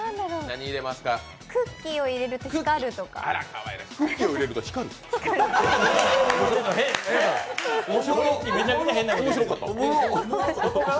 クッキーを入れると光るとか？